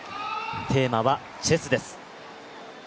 テーマはチェスです。